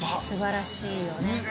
素晴らしいよね。